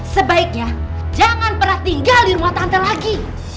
sebaiknya jangan pernah tinggal di rumah tante lagi